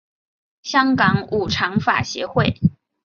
香港五常法协会